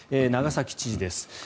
長崎知事です。